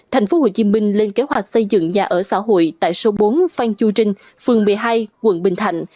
tp hcm lên kế hoạch xây dựng nhà ở xã hội tại số bốn phan chu trinh phường một mươi hai quận bình thạnh